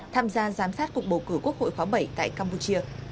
tham gia giám sát cuộc bầu cử quốc hội khóa bảy tại campuchia